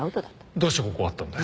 どうしてここがわかったんだよ。